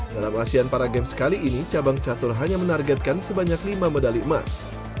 dalam asean para games kali ini cabang catur hanya menargetkan sebanyak lima medali emas